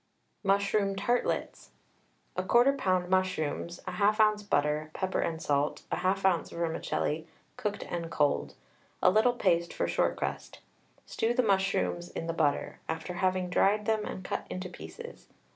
MUSHROOM TARTLETS. 1/4 lb. mushrooms, 1/2 oz. butter, pepper and salt, 1/2 oz. vermicelli, cooked and cold, a little paste for short crust. Stew the mushrooms in the butter, after having dried them and cut into pieces.